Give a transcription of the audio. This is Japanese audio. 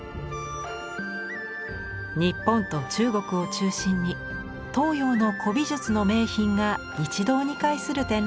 日本と中国を中心に東洋の古美術の名品が一堂に会する展覧会です。